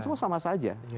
semua sama saja